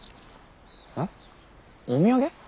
えっお土産？